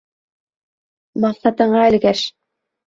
Маҡсатыңа өлгәш!